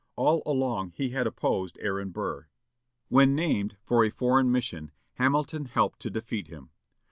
All along he had opposed Aaron Burr. When named for a foreign mission, Hamilton helped to defeat him.